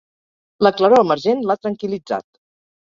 La claror emergent l'ha tranquil·litzat.